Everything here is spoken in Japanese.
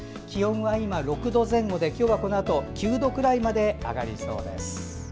気温は今６度前後で今日はこのあと９度くらいまで上がりそうです。